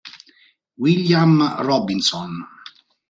William Robinson